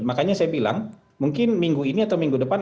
makanya saya bilang mungkin minggu ini atau minggu depan